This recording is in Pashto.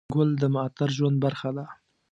ګل د معطر ژوند برخه ده.